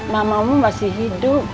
mamamu masih hidup